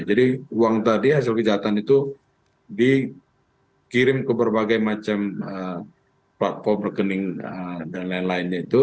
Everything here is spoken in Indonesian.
jadi uang tadi hasil kejahatan itu dikirim ke berbagai macam platform rekening dan lain lainnya itu